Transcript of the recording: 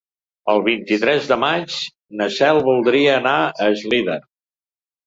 El vint-i-tres de maig na Cel voldria anar a Eslida.